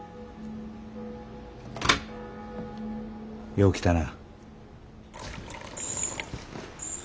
よう来たな。